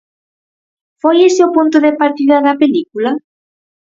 Foi ese o punto de partida da película?